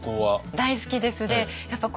大好きです。